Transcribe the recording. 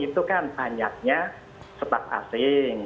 itu kan banyaknya staff asing